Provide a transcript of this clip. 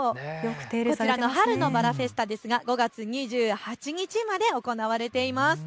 こちら春のバラフェスタ、５月２８日まで行われています。